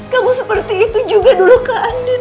kamu seperti itu juga dulu ke anda